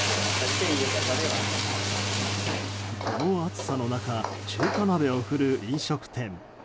この暑さの中中華鍋を振るう飲食店。